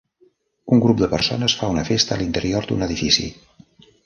Un grup de persones fa una festa a l'interior d'un edifici.